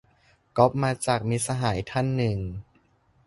ก๊อปมาจาก มิตรสหายท่านหนึ่ง